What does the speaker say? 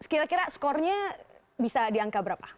kira kira skornya bisa diangka berapa